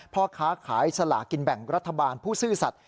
พ่อค้าขายสลากินแบ่งรัฐบาลผู้ซื่อสัตว